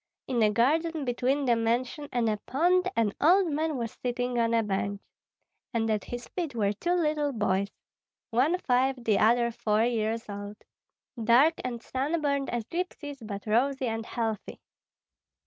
In a garden between the mansion and a pond an old man was sitting on a bench; and at his feet were two little boys, one five, the other four years old, dark and sunburned as gypsies, but rosy and healthy.